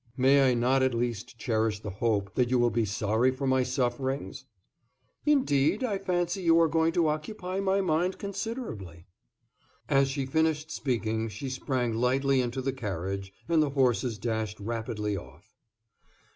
"May I not at least cherish the hope that you will be sorry for my sufferings?" "Indeed, I fancy you are going to occupy my mind considerably." As she finished speaking, she sprang lightly into the carriage, and the horses dashed rapidly off.